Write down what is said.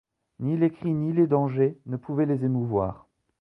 Ni les cris ni les dangers ne pouvaient les émouvoir!